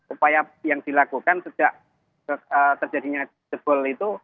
upaya yang dilakukan sejak terjadinya jebol itu